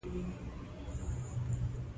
اختلافات لیرې کړل شول.